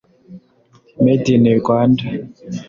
Made in Rwanda